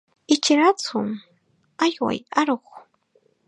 Ichiraytsu, ayway aruq.